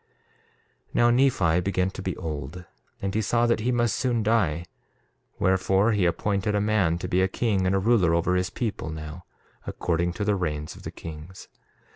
1:9 Now Nephi began to be old, and he saw that he must soon die; wherefore, he anointed a man to be a king and a ruler over his people now, according to the reigns of the kings.